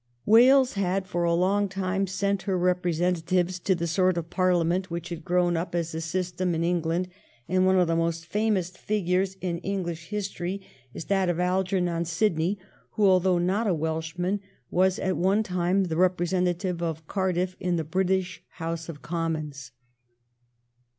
Wales had for a long time sent her representatives 318 THE BEIGN OF QUEEN ANNE. ch. xxxvi. to the sort of Parliament which had grown up as a system in England, and one of the most famous figures in English history is that of Algernon Sidney, who, although not a Welshman, was at one time the representative of Oardifi* in the British House of Commons.